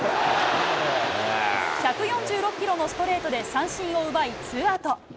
１４６キロのストレートで三振を奪いツーアウト。